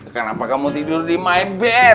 kenapa kamu tidur di my bed